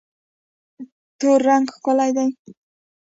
تور رنګ ښکلی دی.